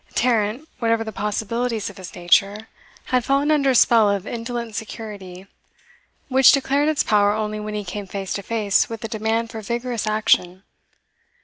Tarrant, whatever the possibilities of his nature, had fallen under a spell of indolent security, which declared its power only when he came face to face with the demand for vigorous action.